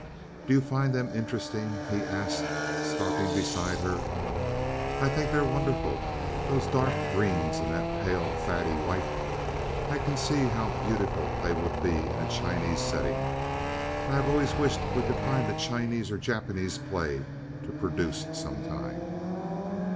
"Do you find them interesting?" he asked, stopping beside her. "I think they're wonderful. Those dark greens, and that pale, fatty white! I can see how beautiful they would be in a Chinese setting. I have always wished we could find a Chinese or Japanese play to produce sometime."